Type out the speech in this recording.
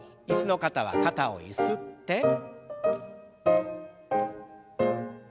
椅子の方は肩をゆすって。